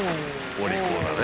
お利口だね。